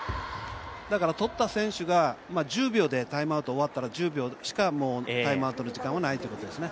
とった選手が１０秒でタイムアウト終わったら１０秒しか、タイムアウトの時間はないということですね。